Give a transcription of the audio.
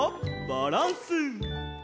バランス！